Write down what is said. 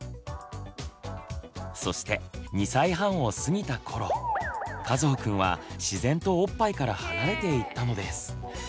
そして２歳半を過ぎたころかずほくんは自然とおっぱいから離れていったのです。